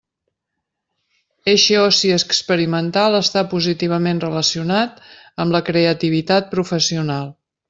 Eixe oci experiencial està positivament relacionat amb la creativitat professional.